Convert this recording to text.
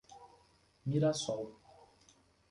Mirassol